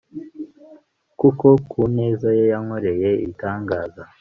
kuko ku neza ye yankoreye ibitangaza